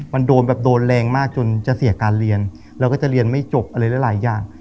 มันโดนแบบโดนแรงมากจนจะเสียการเรียนเราก็จะเรียนไม่จบอะไรหลายอย่าง